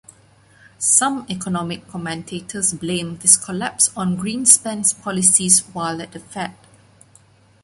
Some economic commentators blamed this collapse on Greenspan's policies while at the Fed.